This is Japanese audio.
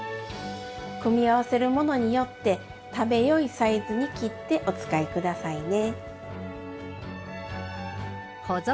組み合わせるものによって食べよいサイズに切ってお使い下さいね。